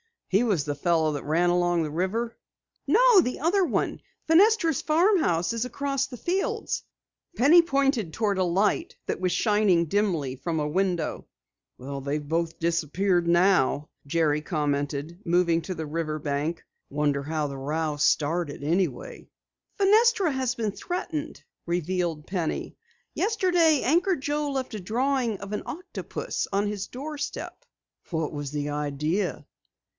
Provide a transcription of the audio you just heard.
He was the fellow who ran along the river?" "No, the other. Fenestra's farmhouse is across the fields." Penny pointed toward a light shining dimly from a window. "They've both disappeared now," Jerry commented, moving to the river bank. "Wonder how the row started anyway?" "Fenestra has been threatened," revealed Penny. "Yesterday Anchor Joe left a drawing of an octopus on his doorstep." "What was the idea?"